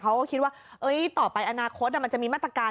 เขาก็คิดว่าต่อไปอนาคตมันจะมีมาตรการ